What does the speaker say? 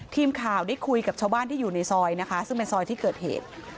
ทีมข่าวได้คุยกับชาวบ้านที่อยู่ในซอยนะคะซึ่งเป็นซอยที่เกิดเหตุ